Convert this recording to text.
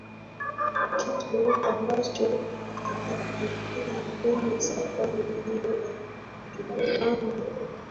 kitu ambacho kingetokea kwenye safari hiyo hakikujulikana